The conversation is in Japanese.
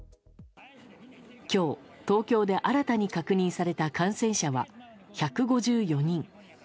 今日、東京で新たに確認された感染者は１５４人。